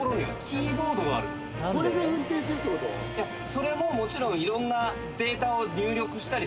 それももちろんいろんなデータを入力したりするんだけど。